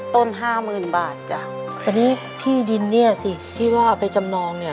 ต้นห้าหมื่นบาทจ้ะแต่นี่ที่ดินเนี่ยสิที่ว่าเอาไปจำนองเนี่ย